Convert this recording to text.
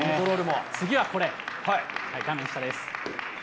次はこれ、画面下です。